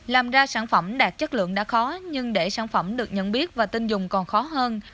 làm ra sản phẩm đạt chất lượng đã khó nhưng để sản phẩm được nhận biết và tin dùng còn khó hơn